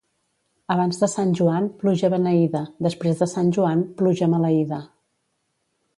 Abans de Sant Joan, pluja beneïda, després de Sant Joan, pluja maleïda.